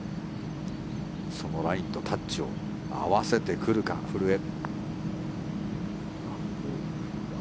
そのラインとタッチを合わせてくるか、古江。